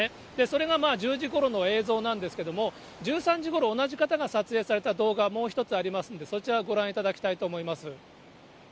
それが１０時ごろの映像なんですけれども、１３時ごろ、同じ方が撮影された動画、もう一つありますんで、そちら、ご覧いただきたいと思います。